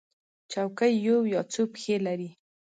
چوکۍ یو یا څو پښې لري.